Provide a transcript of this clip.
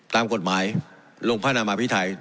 ตามกฎหมายลงพระนามาพิไทย